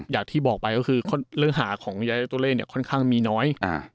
อย่างที่บอกไว้ก็คือเรื่องหาของยายาตูเล่ค่อนข้างมีน้อย